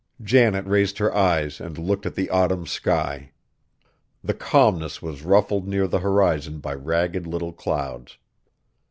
Janet raised her eyes and looked at the autumn sky. The calmness was ruffled near the horizon by ragged little clouds.